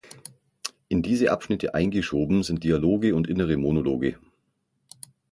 In diese Abschnitte eingeschoben sind Dialoge und innere Monologe.